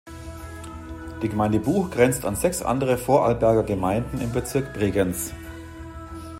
Die Gemeinde Buch grenzt an sechs andere Vorarlberger Gemeinden im Bezirk Bregenz.